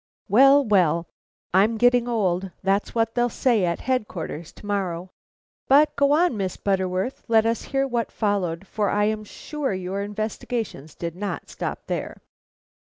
"Well! well! I'm getting old; that's what they'll say at Headquarters to morrow. But go on, Miss Butterworth; let us hear what followed; for I am sure your investigations did not stop there."